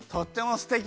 すてき！